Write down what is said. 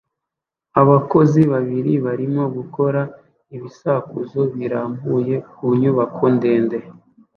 Abakozi babiri barimo gukora ibisakuzo birambuye ku nyubako ndende